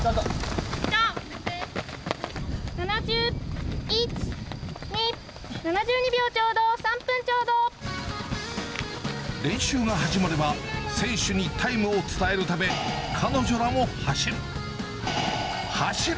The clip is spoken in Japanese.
７０、１、２、７２秒ちょう練習が始まれば、選手にタイムを伝えるため、彼女らも走る。